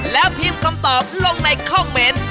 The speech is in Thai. แล้วพิมพ์คำตอบลงในคอมเมนต์